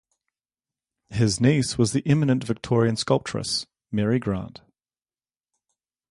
His niece was the eminent Victorian sculptress, Mary Grant.